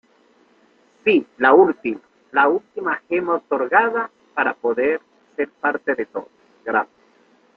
Esmeralda del Caos: Gemas octogonales con poderes.